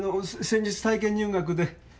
先日体験入学で。